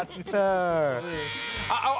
เก็บปวด